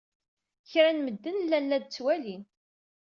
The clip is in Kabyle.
Kra n medden llan la d-ttwalin.